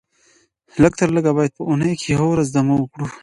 لږ تر لږه باید په اونۍ کې یوه ورځ دمه وکړو